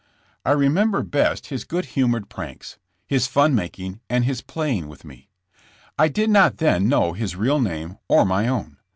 I remember best his good humored pranks, his fun making and his playing with me. I did not then know his real name or my own.